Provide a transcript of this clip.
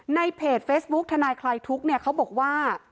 ในเพจเฟซบุ๊คทนายคลายทุกข์เนี่ยเขาบอกว่า